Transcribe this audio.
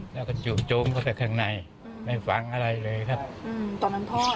แล้วก็จู่โจมเข้าไปข้างในไม่ฟังอะไรเลยครับอืมตอนนั้นพ่อ